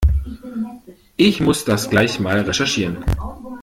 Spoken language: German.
Ich muss das gleich mal recherchieren.